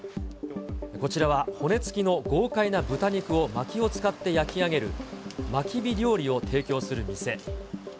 こちらは骨付きの豪快な豚肉をまきを使って焼き上げる、まき火料理を提供する店。